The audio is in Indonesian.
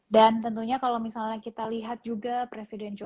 dan tentunya kalau misalnya kita lihat juga presiden jokowi